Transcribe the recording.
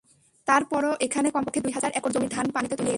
তারপরও এখানে কমপক্ষে দুই হাজার একর জমির ধান পানিতে তলিয়ে গেছে।